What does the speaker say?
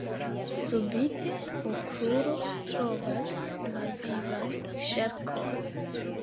Subite, Okrulo trovas malvivan ŝarkon.